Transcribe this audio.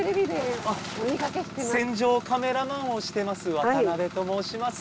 戦場カメラマンをしてます渡部と申します。